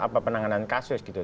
apa penanganan kasus gitu